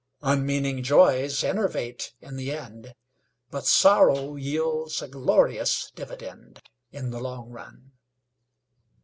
Unmeaning joys enervate in the end, But sorrow yields a glorious dividend In the long run.